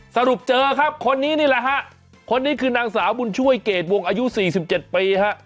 สรุปเจอครับคนนี้นี่แหละฮะคนนี้คือนางสาวบุญช่วยเกรดวงอายุ๔๗ปีฮะ